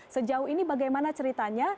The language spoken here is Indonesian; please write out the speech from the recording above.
sejauh ini bagaimana ceritanya